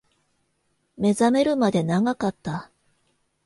目覚めるまで長かった